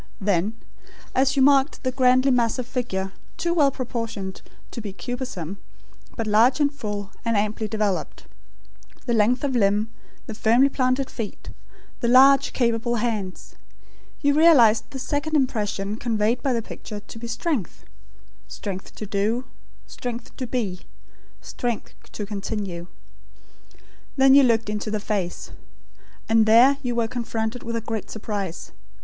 Then as you marked the grandly massive figure, too well proportioned to be cumbersome, but large and full, and amply developed; the length of limb; the firmly planted feet; the large capable hands, you realised the second impression conveyed by the picture, to be strength; strength to do; strength to be; strength to continue. Then you looked into the face. And there you were confronted with a great surprise.